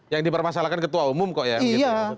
yang dipermasalahkan ketua umum kok ya